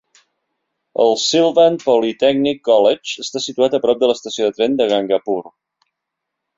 El Sylvan Polytechnic College està situat a prop de l'estació de tren de Gangapur.